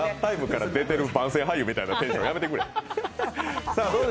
「ＴＨＥＴＩＭＥ，」から出てる番宣俳優みたいなテンションやめてくれ。